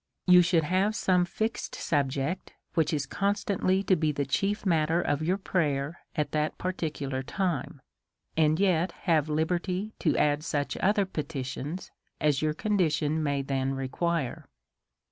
You should have some fixed subject which is con stantly to be the chief matter of your prayer at that particular time ; and yet have liberty to add such other petitions as your condition may then require.